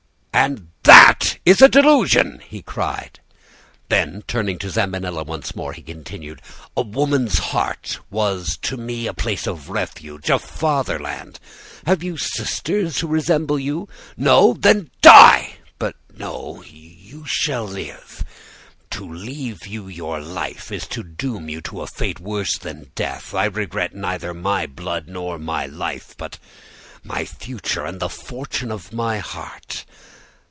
"'And that is a delusion!' he cried. "Then, turning to Zambinella once more, he continued: "'A woman's heart was to me a place of refuge, a fatherland. Have you sisters who resemble you? No. Then die! But no, you shall live. To leave you your life is to doom you to a fate worse than death. I regret neither my blood nor my life, but my future and the fortune of my heart.